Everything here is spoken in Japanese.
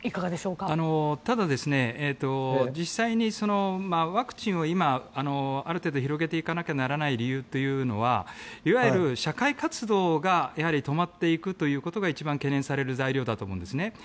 ただ実際にワクチンを今ある程度広げていかないとならない理由というのはいわゆる社会活動が止まっていくということが一番懸念される材料だと思うんですね。